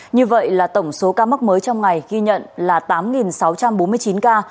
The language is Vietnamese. như vậy là tổng số ca mắc mới trong ngày ghi nhận là tám sáu trăm bốn mươi chín ca